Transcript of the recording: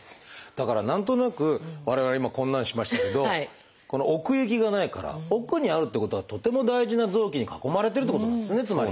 だから何となく我々今こんなのしましたけど奥行きがないから奥にあるってことはとても大事な臓器に囲まれてるってことなんですねつまり。